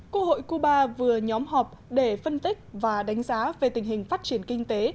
quốc hội cuba vừa nhóm họp để phân tích và đánh giá về tình hình phát triển kinh tế